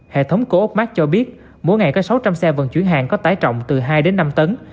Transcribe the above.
hệ thống cổ ốc mát cho biết mỗi ngày có sáu trăm linh xe vận chuyển hàng có tái trọng từ hai đến năm tấn